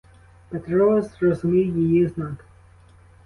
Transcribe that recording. Петро зрозумів її знак.